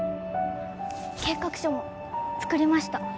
計画書も作りました